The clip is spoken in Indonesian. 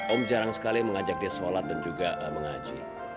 om jarang sekali mengajak dia sholat dan juga mengaji